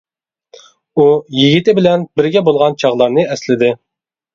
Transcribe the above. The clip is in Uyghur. ئۇ يىگىتى بىلەن بىرگە بولغان چاغلارنى ئەسلىدى.